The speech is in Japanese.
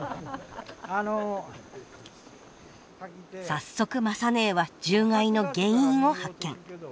早速雅ねえは獣害の原因を発見。